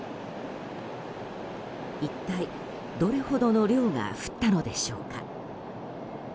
一体どれほどの量が降ったのでしょうか。